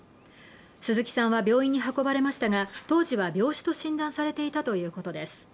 鈴木さんは病院に運ばれましたが当時は病死と診断されていたということです。